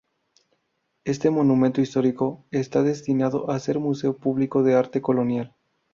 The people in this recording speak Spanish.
Este monumento histórico está destinado a ser museo público de arte colonial.